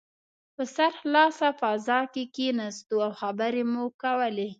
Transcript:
په سرخلاصه فضا کې کښېناستو او خبرې مو کولې.